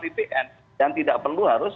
bpn dan tidak perlu harus